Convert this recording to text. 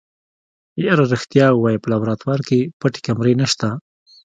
يره رښتيا ووايه په لابراتوار کې پټې کمرې نشته.